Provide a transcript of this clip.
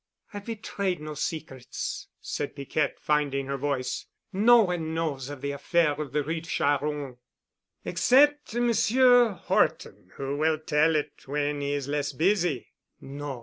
"I've betrayed no secrets," said Piquette, finding her voice. "No one knows of the affair of the Rue Charron——" "Except Monsieur Horton, who will tell it when he is less busy——" "No.